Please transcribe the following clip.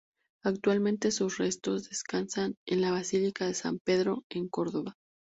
Actualmente sus restos descansan en la basílica de San Pedro, en Córdoba.